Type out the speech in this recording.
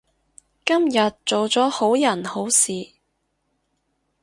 今日做咗好人好事